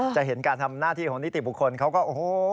จะเห็นการทำหน้าที่ของนิติบุคคลเขาก็โอ้โห